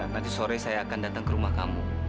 nanti sore saya akan datang ke rumah kamu